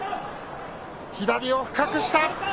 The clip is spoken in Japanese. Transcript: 左を深くした。